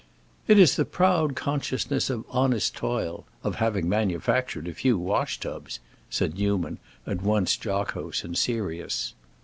"It is the proud consciousness of honest toil—of having manufactured a few wash tubs," said Newman, at once jocose and serious.